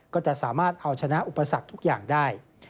ก็จะสามารถเอาชนะอุปสรรคทุกอย่างได้